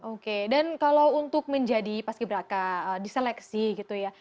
oke dan kalau untuk menjadi pas kibraka di seleksi gitu ya